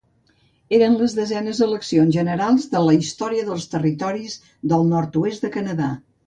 Eren les desenes eleccions generals de la història dels Territoris del Nord-oest de Canadà.